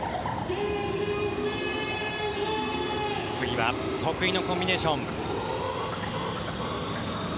次は得意のコンビネーション。